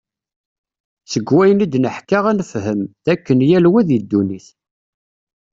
Seg wayen id-neḥka ad nefhem, d akken yal wa di ddunit.